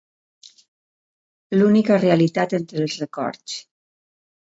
L'única realitat entre els records.